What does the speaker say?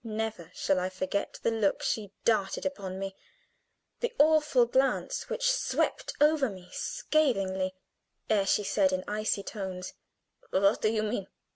Never shall I forget the look she darted upon me the awful glance which swept over me scathingly, ere she said, in icy tones: "What do you mean?